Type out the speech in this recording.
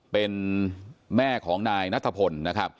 เป็นแม่ของแน่นตผล